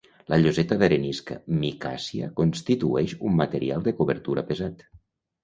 La lloseta d'arenisca micàcia constitueix un material de cobertura pesat.